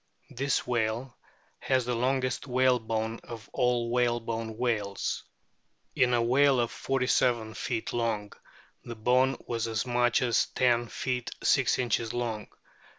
This whale has the longest whalebone of all the whalebone whales. In a whale of 47 feet long the " bone " was as much as 10 feet 6 inches long.